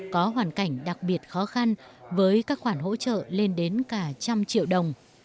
có hoàn cảnh đặc biệt khó khăn với các khoản hỗ trợ lên đến cả trăm triệu đồng